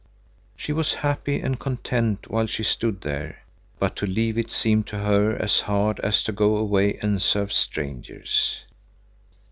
She was happy and content while she stood there, but to leave it seemed to her as hard as to go away and serve strangers.